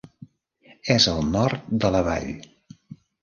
És al nord de la Vall.